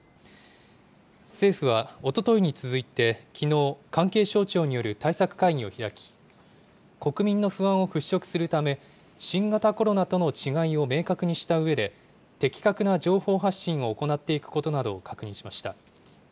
政府はおとといに続いてきのう、関係省庁による対策会議を開き、国民の不安を払拭するため、新型コロナとの違いを明確にしたうえで、的確な情報発信を行っていくことなどを確認しました。